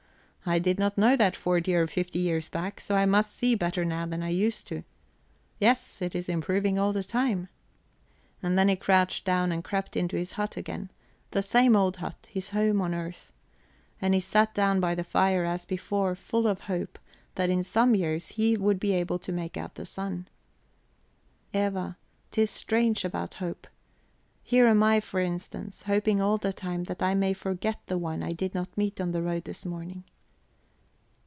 I did not know that forty or fifty years back, so I must see better now than I used to yes, it is improving all the time.' And then he crouched down and crept into his hut again the same old hut, his home on earth. And he sat down by the fire as before, full of hope that in some few years he would be able to make out the sun... Eva, 'tis strange about hope. Here am I, for instance, hoping all the time that I may forget the one I did not meet on the road this morning..."